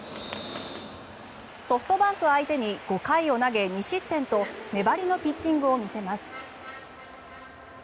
ソフトバンク相手に５回を投げ２失点と粘りのピッチングを見せます。